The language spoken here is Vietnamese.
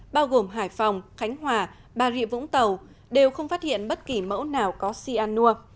bao gồm hải phòng khánh hòa bà rịa vũng tàu đều không phát hiện bất kỳ mẫu nào có cyanur